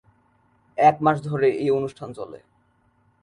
একমাস ধরে এই অনুষ্ঠান চলে।